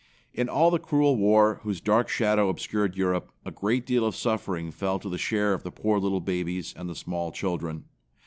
In all the cruel war whose dark shadow obscured Europe a great deal of suffering fell to the share of the poor little babies and the small children.